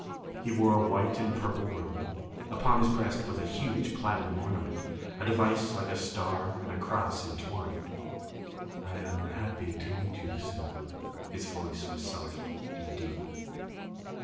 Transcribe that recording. He wore a white and purple robe; upon his breast was a huge platinum ornament, a device like a star and cross entwined. "I am happy to meet you, sir." His voice was soft and deep.